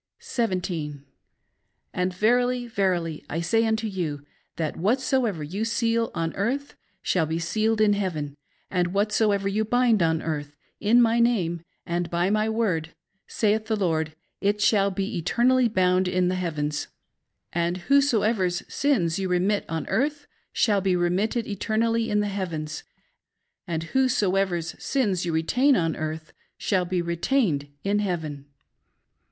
17. And verily, verily I say unto you, that whatsoever you seal on earth shall be sealed in heaven ; and whatsoever you bind on earth, in my name, and by my word, saith the Lord, it shall be eternally bound in the heavens ; and whoseso ever sins you remit on earth shall be remitted eternally in the heavens ; and whosesoever sins you retain on earth shall be retained in heaven.